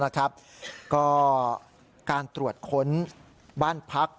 ก็การตรวจค้นบ้านพัก